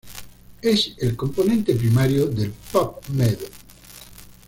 Es el componente primario del PubMed.